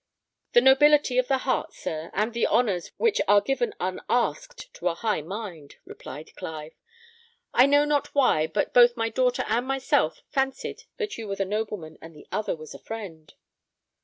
"The nobility of the heart, sir, and the honours which are given unasked to a high mind," replied Clive. "I know not why, but both my daughter and myself fancied that you were the nobleman, and the other was a friend."